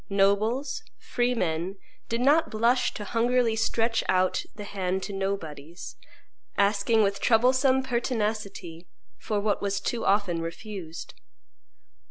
Nobles, free men, did not blush to hungrily stretch out the hand to nobodies, asking with troublesome pertinacity for what was too often refused.